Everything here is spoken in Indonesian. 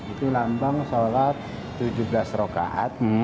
itu lambang sholat tujuh belas rokaat